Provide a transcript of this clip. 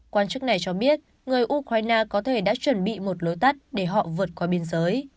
quan chức này cho biết người ukraine có thể đã chuẩn bị một lối tắt để họ vượt qua biên giới